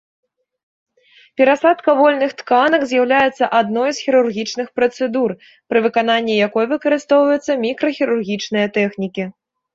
Перасадка вольных тканак з'яўляецца адной з хірургічных працэдур, пры выкананні якой выкарыстоўваюцца мікрахірургічныя тэхнікі.